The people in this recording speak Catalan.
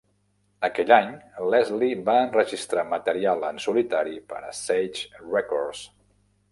Aquell any, Leslie va enregistrar material en solitari per a Sage Records.